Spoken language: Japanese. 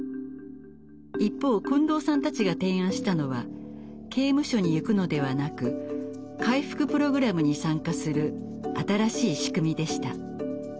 一方近藤さんたちが提案したのは刑務所に行くのではなく回復プログラムに参加する新しい仕組みでした。